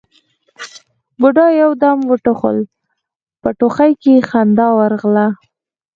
بوډا يو دم وټوخل، په ټوخي کې خندا ورغله: